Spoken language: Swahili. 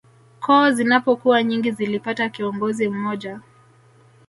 Koo zinapokuwa nyingi zilipata kiongozi mmoja